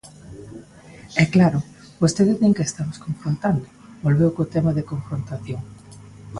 E, claro, vostedes din que estamos confrontando, volveu co tema da confrontación.